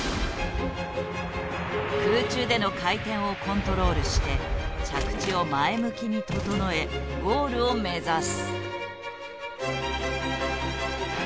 空中での回転をコントロールして着地を前向きに整えゴールを目指す。